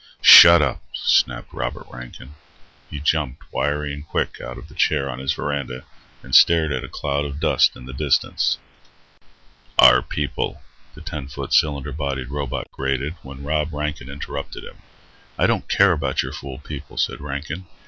"Shut up!" snapped Rod Rankin. He jumped, wiry and quick, out of the chair on his verandah and stared at a cloud of dust in the distance. "Our people " the ten foot, cylinder bodied robot grated, when Rod Rankin interrupted him. "I don't care about your fool people," said Rankin.